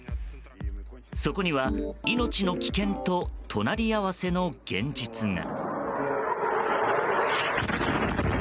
そこには命の危険と隣り合わせの現実が。